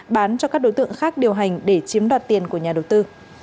bán cho các đối tượng khác điều hành để chiếm đoạt tiền của nhà đầu tư